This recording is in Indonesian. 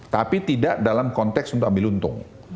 tapi tidak dalam konteks untuk ambil untung